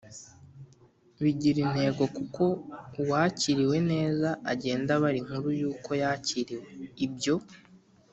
kubigira intego kuko uwakiriwe neza agenda abara inkuru y’uko yakiriwe. ibyo